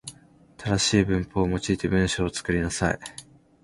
正しい文法を用いて文章を作りなさい。